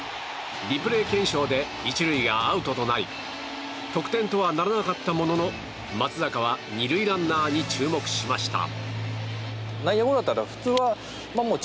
リプレー検証で１塁がアウトとなり得点とはならなかったものの松坂は２塁ランナーに注目しました。